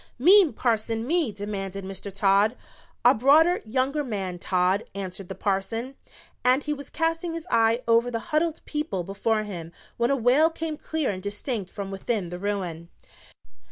"Me, Parson, me!" demanded Mr. Todd. "A broader, younger man, Todd," answered the parson, and he was casting his eye over the huddled people before him when a wail came clear and distinct from within the ruin.